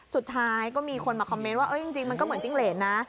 สุดท้ายก็มีคนมาคอมเมนต์ว่าจริงมันก็เหมือนจิ้งเหรนนะ